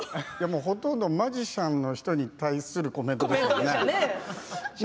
ほとんどマジシャンに対する人のコメントですよね。